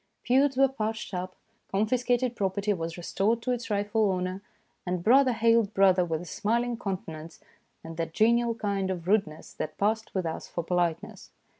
Feuds were patched up, confiscated property was restored to its rightful owner, and brother hailed brother with a smiling countenance and that genial kind of rudeness that passed with us for politeness.